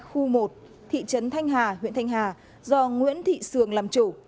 khu một thị trấn thanh hà huyện thanh hà do nguyễn thị sường làm chủ